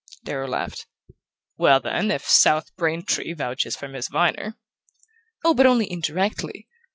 Darrow laughed. "Well, then, if South Braintree vouches for Miss Viner " "Oh, but only indirectly.